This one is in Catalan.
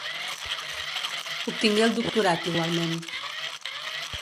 Obtingué el doctorat igualment.